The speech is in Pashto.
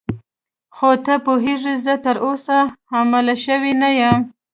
خو ته پوهېږې زه تراوسه حامله شوې نه یم.